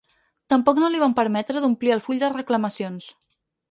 Tampoc no li van permetre d’omplir el full de reclamacions.